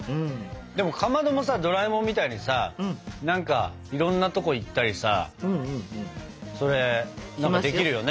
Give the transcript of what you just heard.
でもかまどもさドラえもんみたいにさ何かいろんなとこ行ったりさそれできるよね。